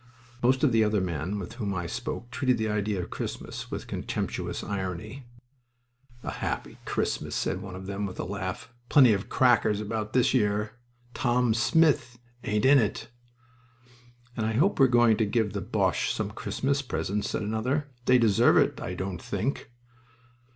Most of the other men with whom I spoke treated the idea of Christmas with contemptuous irony. "A happy Christmas!" said one of them, with a laugh. "Plenty of crackers about this year! Tom Smith ain't in it." "And I hope we're going to give the Boches some Christmas presents," said another. "They deserve it, I don't think!"